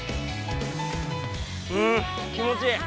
うん気持ちいい！